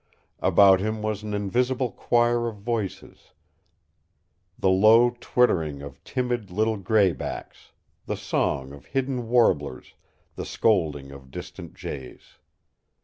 About him was an invisible choir of voices, the low twittering of timid little gray backs, the song of hidden warblers, the scolding of distant jays.